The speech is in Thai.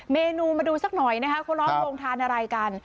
เมนูมาดูสักหน่อยนะคะเขาล้อมโรงทานอะไรกัน